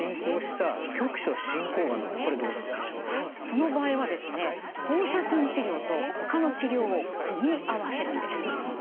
その場合はですね放射線治療とほかの治療を組み合わせるんです。